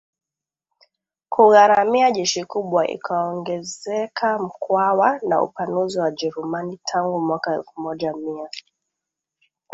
kugharamia jeshi kubwa ikaongezekaMkwawa na upanuzi wa WajerumaniTangu mwaka elfu moja mia